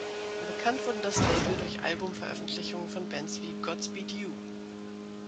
Bekannt wurde das Label durch Album-Veröffentlichungen von Bands wie Godspeed You!